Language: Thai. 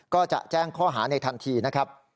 ก็จะแจ้งข้อหาในทันทีนะครับ